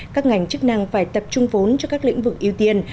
các ngành chức năng phải tập trung vốn cho các lĩnh vực ưu tiên